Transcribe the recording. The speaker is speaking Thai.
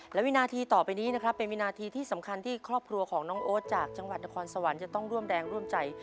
และวินาทีต่อไปนี้นะครับเป็นวินาทีที่สำคัญที่ครอบครัวของน้องโอ๊ตจากจังหวัดนครสวรรค์จะต้องร่วมแรงร่วมใจ